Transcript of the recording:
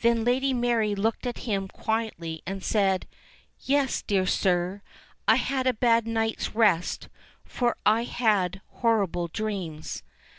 Then Lady Mary looked at him quietly and said, "Yes, dear sir ! I had a bad night's rest, for I had horrible dreams.'